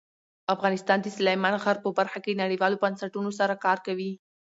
افغانستان د سلیمان غر په برخه کې نړیوالو بنسټونو سره کار کوي.